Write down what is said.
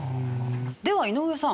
では井上さん。